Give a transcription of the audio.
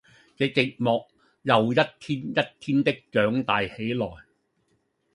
這寂寞又一天一天的長大起來，